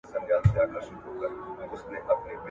استاد شاګرد ته د موضوع ټول حدونه وښودل.